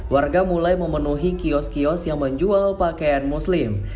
warga mulai memenuhi kios kios yang menjual pakaian muslim